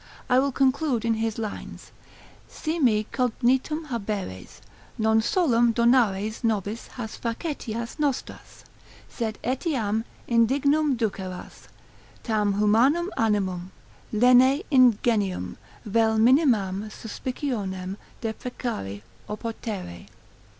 I will conclude in his lines, Si me cognitum haberes, non solum donares nobis has facetias nostras, sed etiam indignum duceres, tam humanum aninum, lene ingenium, vel minimam suspicionem deprecari oportere.